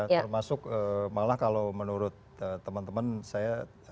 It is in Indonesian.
termasuk malah kalau menurut teman teman saya